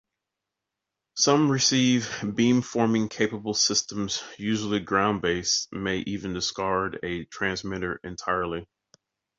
Some receive beamforming-capable systems, usually ground-based, may even discard a transmitter entirely.